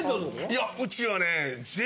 いやうちはね。